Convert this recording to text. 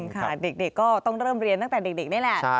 ค่ะเด็กก็ต้องเริ่มเรียนตั้งแต่เด็กนี่แหละ